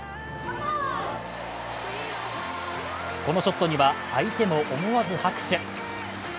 このショットには、相手も思わず拍手。